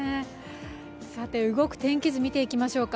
動く天気図見ていきましょうか。